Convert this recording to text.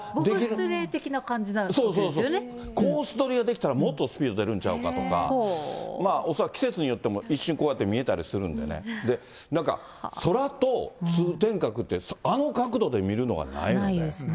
取りができたらもっとスピード出るんちゃうかとか、恐らく季節によっても、一瞬こうやって見えたりするんでね、なんか、空と通天閣って、あの角度で見るのがないんよね。